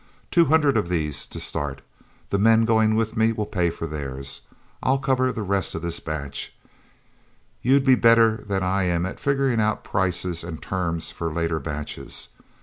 Two hundred of these to start. The men going with me will pay for theirs. I'll cover the rest of this batch: You'll be better than I am at figuring out prices and terms for later batches.